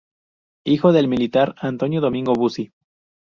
Hijo del militar Antonio Domingo Bussi.